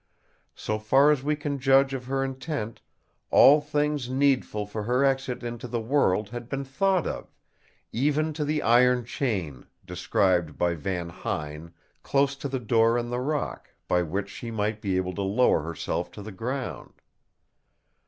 So far as we can judge of her intent, all things needful for her exit into the world had been thought of, even to the iron chain, described by Van Huyn, close to the door in the rock, by which she might be able to lower herself to the ground.